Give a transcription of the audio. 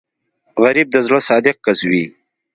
غریب د زړه صادق کس وي